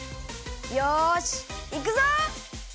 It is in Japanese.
よしいくぞ！